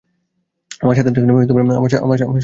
আমার সাথে থাকলে তোমার প্রবলেম।